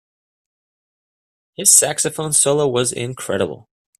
His saxophone solo was incredible.